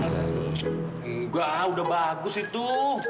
enggak udah bagus itu